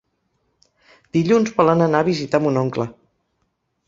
Dilluns volen anar a visitar mon oncle.